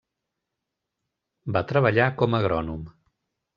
Va treballar com a agrònom.